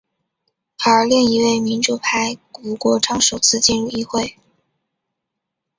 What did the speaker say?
而另一位民主派吴国昌首次进入议会。